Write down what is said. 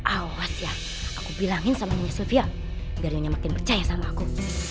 awas ya aku bilangin sama nenek sofia biar nyonya makin percaya sama aku